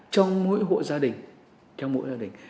trong mỗi hộ gia đình